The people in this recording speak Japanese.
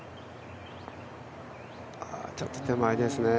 ちょっと手前ですね。